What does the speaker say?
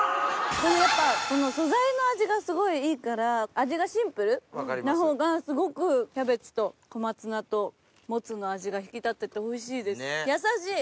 やっぱ素材の味がいいから味がシンプルなほうがすごくキャベツと小松菜とモツの味が引き立ってておいしいですやさしい！